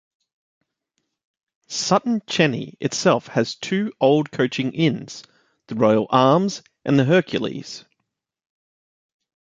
Sutton Cheney itself has two old coaching inns- the Royal Arms and the Hercules.